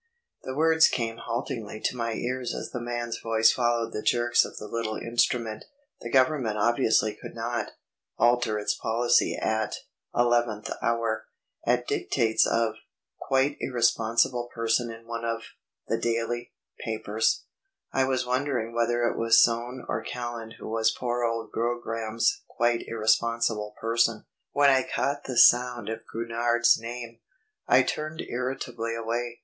The words came haltingly to my ears as the man's voice followed the jerks of the little instrument "... the Government obviously could not ... alter its policy at ... eleventh hour ... at dictates of ... quite irresponsible person in one of ... the daily ... papers." I was wondering whether it was Soane or Callan who was poor old Grogram's "quite irresponsible person," when I caught the sound of Gurnard's name. I turned irritably away.